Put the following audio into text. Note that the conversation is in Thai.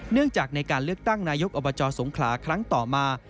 เนื่องจากในการเลือกตั้งนายกอบจสงขลาครั้งต่อมา